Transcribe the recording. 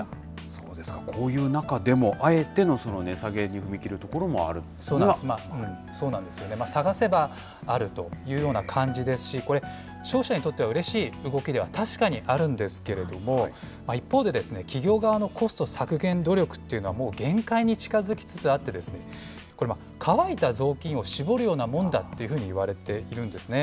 そうですか、こういう中でも、あえての値下げに踏み切るところそうなんですよね、探せばあるというような感じですし、これ、消費者にとってはうれしい動きでは確かにあるんですけれども、一方で、企業側のコスト削減努力というのは、もう限界に近づきつつあって、これ、乾いた雑巾を絞るようなもんだというふうにもいわれているんですね。